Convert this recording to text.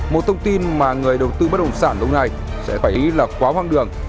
một thông tin mà người đầu tư bất đồng sản lâu nay sẽ phải ý là quá hoang đường